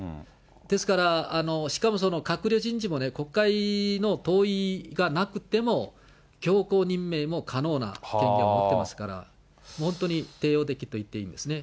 ですから、しかもその閣僚人事も国会の同意がなくても強行任命も可能な権限を持ってますから、本当に帝王的と言っていいんですね。